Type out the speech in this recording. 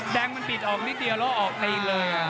แดงมันปิดออกนิดเดียวแล้วออกตีนเลย